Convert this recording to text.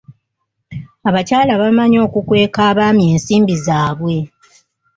Abakyala bamanyi okukweka abaami ensimbi zaabwe.